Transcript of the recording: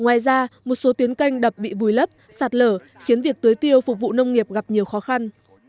ngoài ra một số tuyến canh đập bị vùi lấp sạt lở khiến việc tưới tiêu phục vụ nông nghiệp gặp nhiều khó khăn